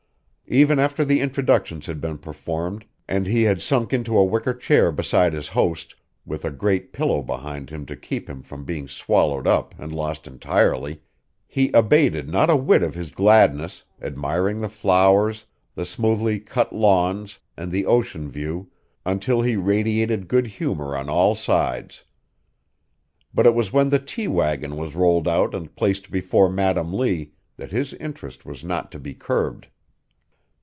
Even after the introductions had been performed and he had sunk into a wicker chair beside his host, with a great pillow behind him to keep him from being swallowed up and lost entirely, he abated not a whit of his gladness, admiring the flowers, the smoothly cut lawns, and the ocean view until he radiated good humor on all sides. But it was when the tea wagon was rolled out and placed before Madam Lee that his interest was not to be curbed.